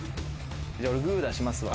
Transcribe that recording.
俺グー出しますわ。